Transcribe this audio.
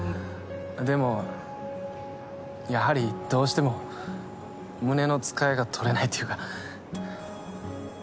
でもやはりどうしても胸のつかえが取れないというか。